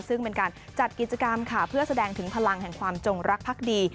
ซึ่งเป็นการจัดกิจกรรมค่ะเพื่อแสดงถึงพลังแห่งความจงรักพักดี